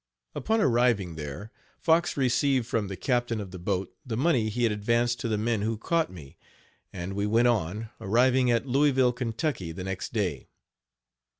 Upon arriving there, Fox received from the captain of the boat the money he had advanced to the men who caught me; and we went on, arriving at Louisville, Ky., the next day.